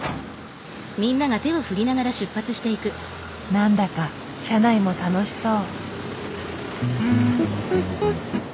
何だか車内も楽しそう。